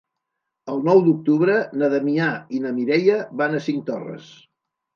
El nou d'octubre na Damià i na Mireia van a Cinctorres.